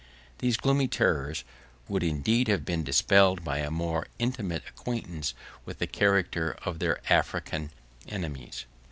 These gloomy terrors would indeed have been dispelled by a more intimate acquaintance with the character of their African enemies.